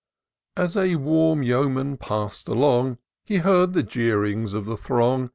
As a warm yeoman pass'd along, He heard the jeerings of the throng.